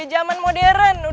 kamu butuh waktu